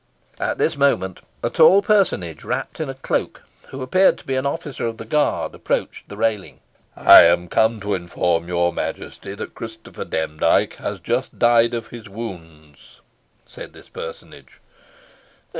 At this moment a tall personage, wrapped in a cloak, who appeared to be an officer of the guard, approached the railing. "I am come to inform your Majesty that Christopher Demdike has just died of his wounds," said this personage.